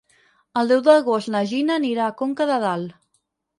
El deu d'agost na Gina anirà a Conca de Dalt.